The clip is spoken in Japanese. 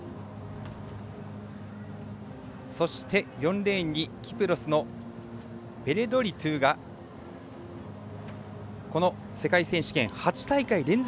そして４レーンにキプロスのペレンドリトゥがこの世界選手権８大会連続の出場です。